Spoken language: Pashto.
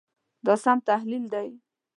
دا سم تحلیل دی.